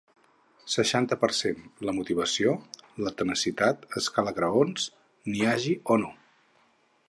Seixanta per cent La motivació, la tenacitat, escala graons, n’hi hagi o no.